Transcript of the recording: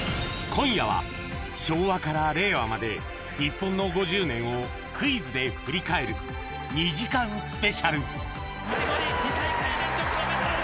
［今夜は昭和から令和まで日本の５０年をクイズで振り返る２時間スペシャル］